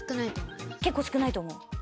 結構少ないと思います。